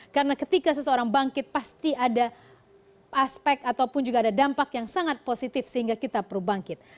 karena ketika seseorang bangkit pasti ada aspek ataupun juga ada dampak yang sangat positif sehingga kita perlu bangkit